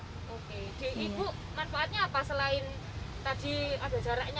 oke ibu manfaatnya apa selain tadi ada jaraknya